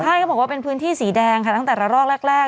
ใช่เขาบอกว่าเป็นพื้นที่สีแดงค่ะตั้งแต่ละรอกแรก